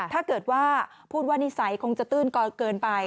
ถ้าเกิดว่าพูดว่านิสัยคงจะตื้นกอเกินไป